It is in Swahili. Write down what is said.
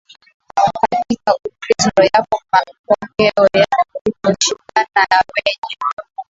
katika Ukristo yapo mapokeo ya kutoshindana na wenye